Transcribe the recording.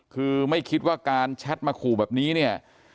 คือไม่คิดว่าการแชทมาขู่แบบนี้เนี่ย